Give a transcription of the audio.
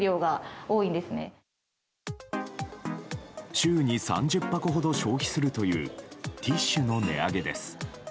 週に３０箱ほど消費するというティッシュの値上げです。